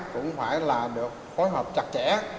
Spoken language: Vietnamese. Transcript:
cũng phải được phối hợp chặt chẽ